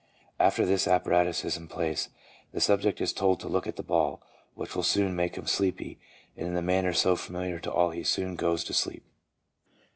After this apparatus is in place, the subject is told to look at the ball, which will soon make him sleepy, and in the manner so familiar to all he soon goes to sleep.